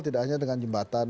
tidak hanya dengan jembatan